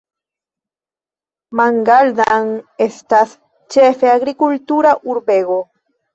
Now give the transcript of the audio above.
Mangaldan estas ĉefe agrikultura urbego.